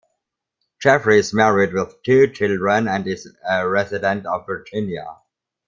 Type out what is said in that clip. Jeffrey is married with two children and is a resident of Virginia.